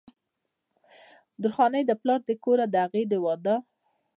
درخانۍ د پلار د کوره د هغې د وادۀ